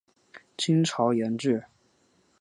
金朝沿置。